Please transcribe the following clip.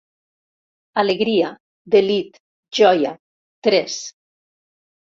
Alegria, delit, joia; tres.